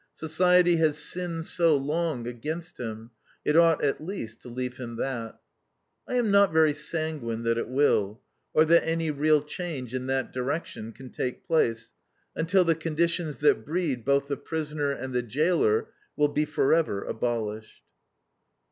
Society has sinned so long against him it ought at least to leave him that. I am not very sanguine that it will, or that any real change in that direction can take place until the conditions that breed both the prisoner and the jailer will be forever abolished.